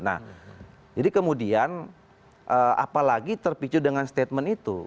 nah jadi kemudian apalagi terpicu dengan statement itu